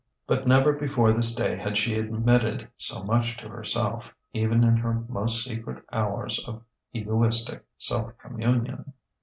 But never before this day had she admitted so much to herself, even in her most secret hours of egoistic self communion....